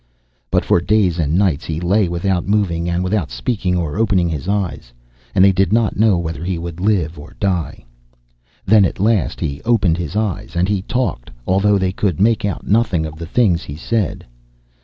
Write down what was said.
But for days and nights he lay without moving and without speaking or opening his eyes, and they did not know whether he would live or die. Then, at last, he opened his eyes. And he talked, although they could make out nothing of the things he said.